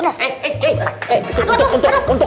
aduh aduh aduh